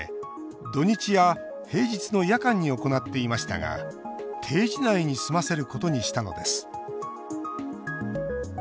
土日や平日の夜間に行っていましたが、定時内に済ませることにしたのです。